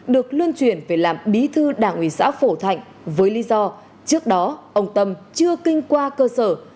được luân chuyển về làm bí thư đảng ủy xã phổ thạnh với lý do trước đó ông tâm chưa kinh qua cơ sở